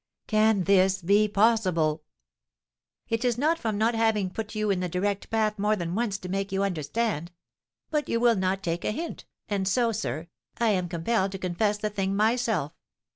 "Can this be possible?" "It is not from not having put you in the direct path more than once to make you understand. But you will not take a hint, and so, sir, I am compelled to confess the thing myself.